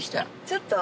ちょっと。